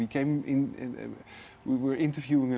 kami menemui seorang wanita